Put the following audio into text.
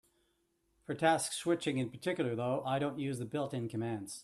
For task switching in particular, though, I don't use the built-in commands.